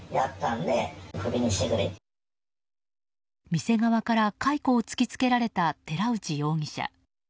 店側から解雇を突きつけられた寺内容疑者。